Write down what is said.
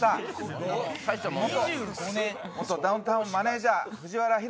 元ダウンタウンマネジャー藤原寛。